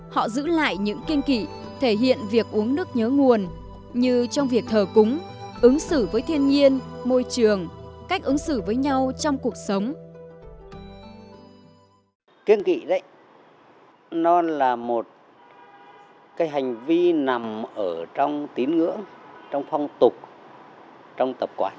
họ giữ lại những kiên kỵ thể hiện việc uống nước nhớ nguồn như trong việc thờ cúng ứng xử với thiên nhiên môi trường cách ứng xử với nhau trong cuộc sống